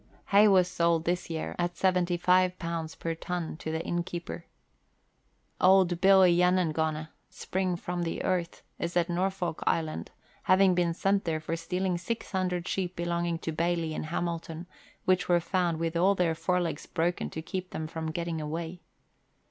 Hay was sold this year at 75 per ton to the innkeeper. Old Billy Yanengoneh (spring from the earth) is at Norfolk Island, having been sent there for stealing 600 sheep belonging, to Baillie and Hamilton, which were found Avith all their fore legs broken to keep them from getting away.